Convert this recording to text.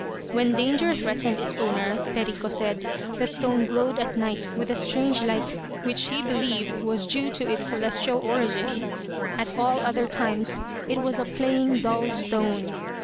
When danger threatened its owner, Perico said, the stone glowed at night with a strange light which he believed was due to its celestial origin. At all other times it was a plain dull stone.